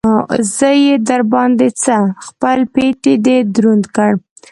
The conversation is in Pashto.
زه يې در باندې څه؟! خپل پټېی دې دروند کړ.